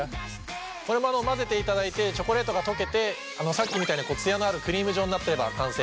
このまま混ぜていただいてチョコレートが溶けてさっきみたいなツヤのあるクリーム状になってれば完成です。